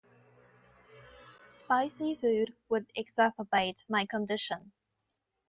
Spicy food would exacerbate my condition.